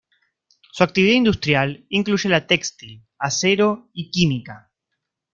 Su actividad industrial incluye la textil, acero y química.